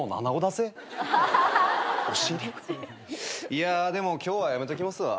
いやでも今日はやめときますわ。